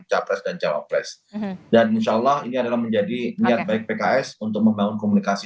capres dan cawapres dan insya allah ini adalah menjadi niat baik pks untuk membangun komunikasi